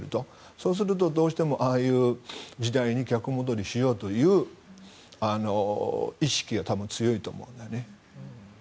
そうするとどうしてもああいう時代に逆戻りしようという意識が強いと思うんだよね。